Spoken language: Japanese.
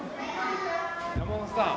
山本さん。